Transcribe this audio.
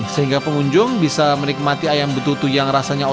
sehingga pengunjung bisa menikmati ayam betutu yang rasanya